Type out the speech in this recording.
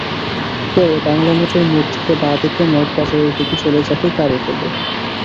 পরে বাংলামোটর মোড় থেকে বাঁ দিকে মগবাজারের দিকে চলে যাবে গাড়িগুলো।